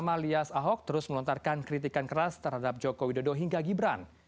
sama lias ahok terus melontarkan kritikan keras terhadap jokowi dodo hingga gibran